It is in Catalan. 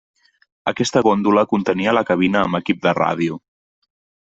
Aquesta góndola, contenia la cabina amb equip de ràdio.